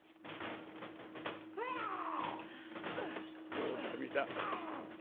「もう駄目だ」。